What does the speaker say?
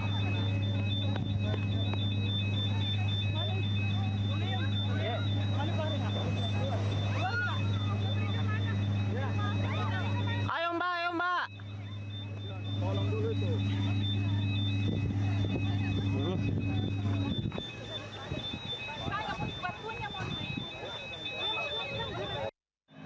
pesawat batik air terbakar